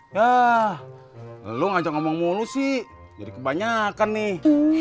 yah lo ngajak ngomong mulu sih jadi kebanyakan nih